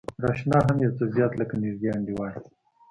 تر اشنا هم يو څه زيات لکه نژدې انډيوال.